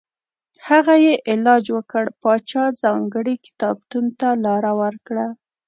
هغه یې علاج وکړ پاچا ځانګړي کتابتون ته لاره ورکړه.